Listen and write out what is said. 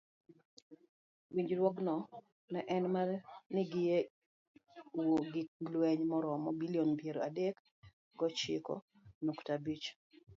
Winjruogno ne en mar ngiewo gik lweny maromo bilion piero adek gochiko nukta abich.